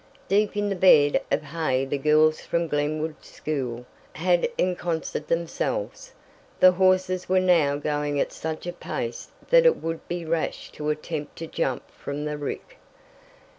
Deep in the bed of hay the girls from Glenwood School had ensconsed themselves. The horses were now going at such a pace that it would be rash to attempt to jump from the rick.